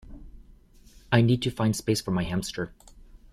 I need to find space for my hamster